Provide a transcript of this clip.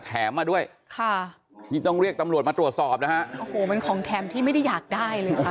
มาด้วยค่ะนี่ต้องเรียกตำรวจมาตรวจสอบนะฮะโอ้โหมันของแถมที่ไม่ได้อยากได้เลยค่ะ